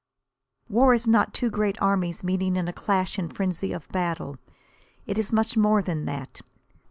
War is not two great armies meeting in a clash and frenzy of battle. It is much more than that.